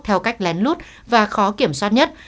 theo cách lén lút và khó kiểm soát nhất